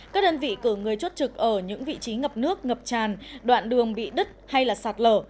các đơn vị cử người chốt trực ở những vị trí ngập nước ngập tràn đoạn đường bị đứt hay là sạt lở